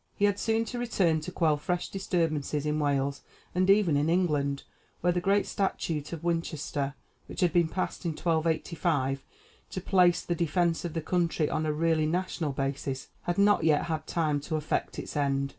He had soon to return to quell fresh disturbances in Wales, and even in England, where the great Statute of Winchester, which had been passed in 1285 to place the defence of the country on a really national basis, had not yet had time to effect its end.